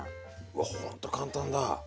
うわほんと簡単だ。